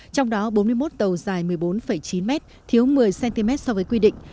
trong đó bốn mươi một tàu dài một mươi bốn chín mét thiếu một mươi cm so với quy định